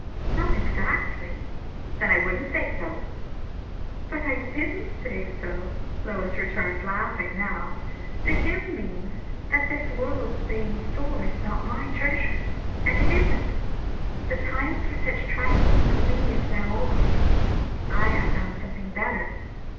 "Not exactly." "Then I wouldn't say so." "But I didn't say so," Lois returned, laughing now. "The hymn means, that 'this world's vain store' is not my treasure; and it isn't. 'The time for such trifles with me now is o'er.' I have found something better.